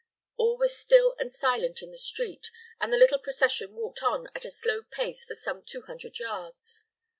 All was still and silent in the street, and the little procession walked on at a slow pace for some two hundred yards.